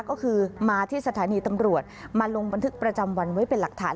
ก็คือมาที่สถานีตำรวจมาลงบันทึกประจำวันไว้เป็นหลักฐาน